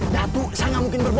datuk saya gak mungkin berhenti